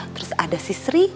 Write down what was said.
terus ada si sri